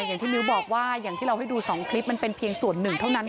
อย่างที่มิ้วบอกว่าอย่างที่เราให้ดู๒คลิปมันเป็นเพียงส่วนหนึ่งเท่านั้น